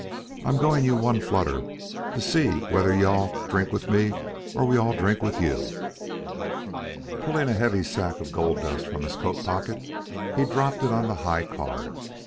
"I'm going you one flutter to see whether you all drink with me or we all drink with you." Pulling a heavy sack of gold dust from his coat pocket, he dropped it on the HIGH CARD.